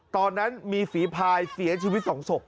ตอนนั้นมีฝีพายเสียชีวิต๒ศพ